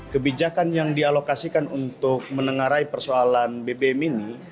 kebijakan yang dialokasikan untuk menengarai persoalan bbm ini